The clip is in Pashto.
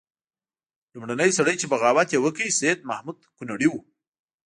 لومړنی سړی چې بغاوت یې وکړ سید محمود کنړی وو.